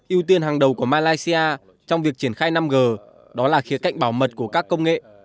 yêu tiên hàng đầu của malaysia trong việc triển khai năm g đó là khía cạnh bảo mật của các công nghệ